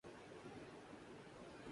یہ کوئی وبال ہے۔